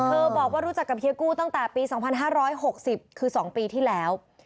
บอกว่ารู้จักกับเฮียกู้ตั้งแต่ปี๒๕๖๐คือ๒ปีที่แล้ว